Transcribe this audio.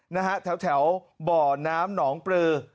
นะฮะแถวบ่อน้ำหนองปลือ